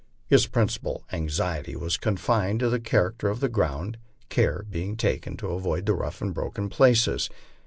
His principal anx iety was confined to the character of the ground, care being taken to avoid the rough and broken places.